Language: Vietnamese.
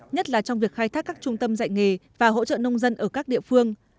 nhất là trong việc khai thác các trung tâm dạy nghề và hỗ trợ nông dân ở các địa phương